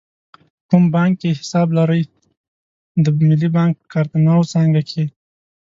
کوم بانک کې حساب لرئ؟ د ملی بانک په کارته نو څانګه کښی